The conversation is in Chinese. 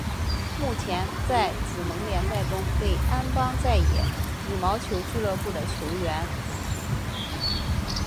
目前在紫盟联赛中为安邦再也羽毛球俱乐部的球员。